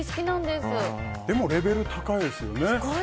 でもレベル高いですよね。